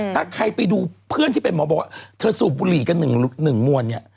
ถ้าใครไปดูเพื่อนที่เป็นหมอบอกว่าเธอสูบบุหรี่กัน๑มวลเนี่ย